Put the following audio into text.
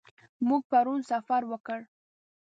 موږ پرون سفر وکړ.